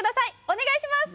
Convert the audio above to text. お願いします